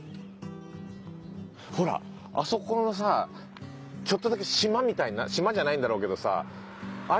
ほらあそこのさちょっとだけ島みたいに島じゃないんだろうけどさあれ